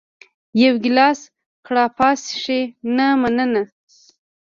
یو ګېلاس ګراپا څښې؟ نه، مننه.